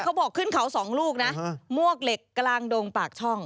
เขาบอกขึ้นเขาสองลูกนะมวกเหล็กกลางดงปากช่อง